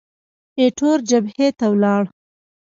ایټور جبهې ته ولاړ.